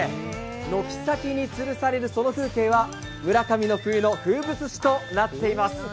軒先につるされるその風景は村上の冬の風物詩となっています。